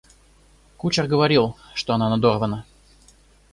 Кучер говорил, что она надорвана.